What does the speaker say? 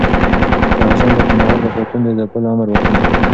شاه حسين د کندهار د پاڅون د ځپلو امر وکړ.